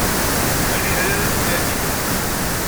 A leḥrir afilali.